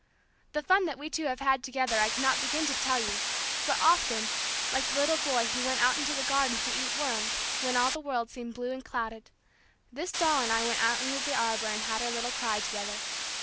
The fun that we two have had together I cannot begin to tell you, but often, like the little boy who went out into the garden to eat worms when all the world seemed blue and clouded, this doll and I went out under the arbor and had our little cry together.